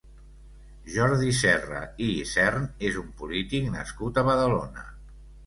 Jordi Serra i Isern és un polític nascut a Badalona.